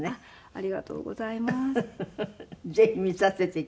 ありがとうございます。